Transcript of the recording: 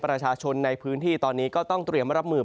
ประชาชนในพื้นที่ตอนนี้ก็ต้องเตรียมรับมือ